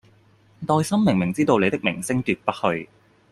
內心明明知道你的明星奪不去